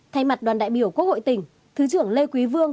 thay mặt đoàn đại biểu quốc hội tỉnh thứ trưởng lê quý vương